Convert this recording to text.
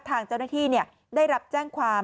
ทางเจ้าหน้าที่ได้รับแจ้งความ